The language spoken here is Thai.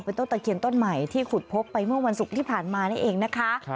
ต้นตะเคียนต้นใหม่ที่ขุดพบไปเมื่อวันศุกร์ที่ผ่านมานี่เองนะคะ